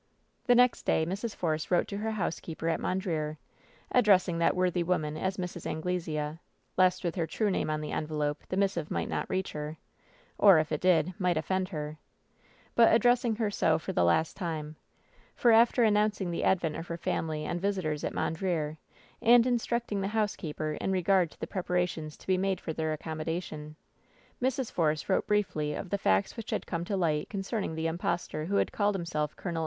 The next day Mrs. Force wrote to her housekeeper at Mondreer, addressing that worthy woman as Mrs. An glesea, lest, with her true name on the envelope, the missive might not reach her, or if it did, might offend her ; but — addressing her so for the last time, for after announcing the advent of her family and visitors at Mondreer, and instructing the housekeeper in regard to the preparations to be made for their accommodation, Mrs. Force wrote briefly of the facts which had come to light concerning the impostor who had called himself Col.